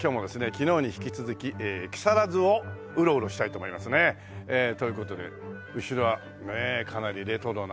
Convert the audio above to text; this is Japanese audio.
昨日に引き続き木更津をウロウロしたいと思いますね。という事で後ろはかなりレトロな。